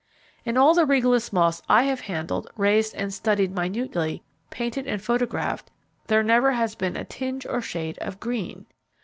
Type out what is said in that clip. In all the Regalis moths I have handled, raised, studied minutely, painted, and photographed, there never has been tinge or shade of GREEN.